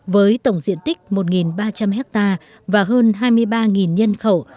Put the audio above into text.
với tổng diện tích một ba trăm linh ha và hơn hai mươi ba nhân khẩu